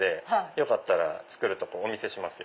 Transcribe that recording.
よかったら作るとこお見せしますよ。